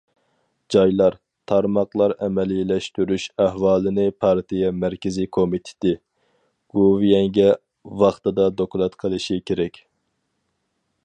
جايلار، تارماقلار ئەمەلىيلەشتۈرۈش ئەھۋالىنى پارتىيە مەركىزىي كومىتېتى، گوۋۇيۈەنگە ۋاقتىدا دوكلات قىلىشى كېرەك.